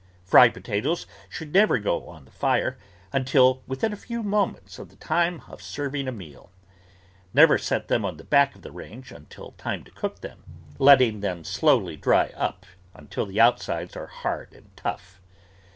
Fried potatoes should never go on the fire until within a few moments of the time of serving a meal. Never set them on the back of the range until time to cook them, letting them slowly dry THE VEGETABLE GARDEN up until the outsides are hard and tough.